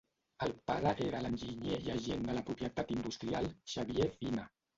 El pare era l'enginyer i agent de la propietat industrial Xavier Fina.